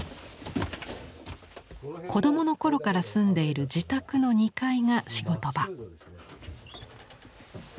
子供の頃から住んでいる自宅の２階が仕事場。